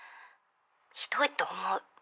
ひどいと思う。